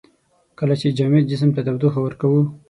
کله چې جامد جسم ته تودوخه ورکوو.